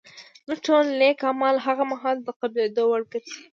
زموږ ټول نېک اعمال هغه مهال د قبلېدو وړ ګرځي